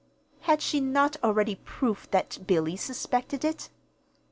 Had she not already proof that Billy suspected it?